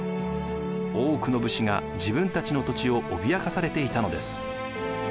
多くの武士が自分たちの土地を脅かされていたのです。